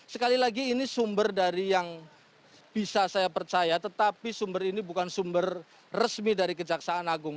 sekali lagi ini sumber dari yang bisa saya percaya tetapi sumber ini bukan sumber resmi dari kejaksaan agung